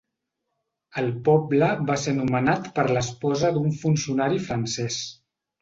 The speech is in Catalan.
El poble va ser nomenat per l'esposa d'un funcionari francès.